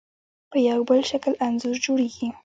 په یو بل شکل انځور جوړوي.